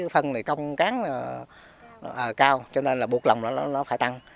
phân này cong cán cao cho nên là buộc lòng nó phải tăng